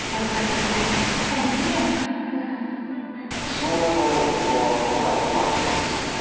島村さんのご希望は都内のマンションですよね？